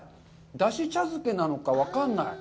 出汁茶漬けなのか、分かんない。